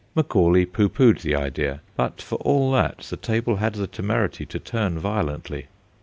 Macaulay pooh poohed the idea, but for all that the table had the temerity to turn violently.